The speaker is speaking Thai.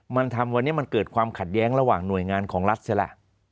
มันทำวันนี้มันเกิดความขัดแย้งระหว่างหน่วยงานของรัฐเสียล่ะ